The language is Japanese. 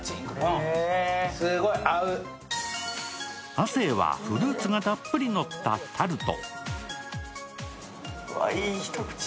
亜生はフルーツがたっぷりのったタルト。